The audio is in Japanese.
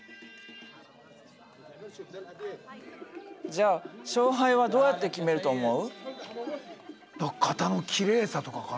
じゃあ勝敗はどうやって決めると思う？